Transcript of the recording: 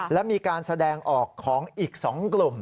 และมีการแสดงออกของอีก๒กลุ่ม